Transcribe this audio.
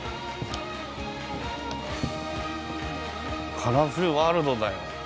カラフルワールドだよ。